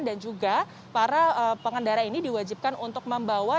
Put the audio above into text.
dan juga para pengendara ini diwajibkan untuk membawa